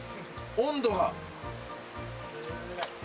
温度が。